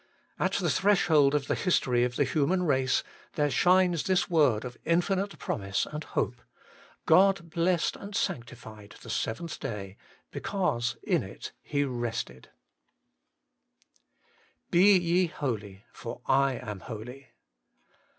At the threshold of the history of the human race there shines this word of infinite promise and hope: ' God blessed and sanctified the seventh day because in it He rested/ BE YE HOLY, FOR I AM HOLY.